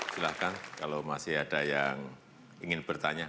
silahkan kalau masih ada yang ingin bertanya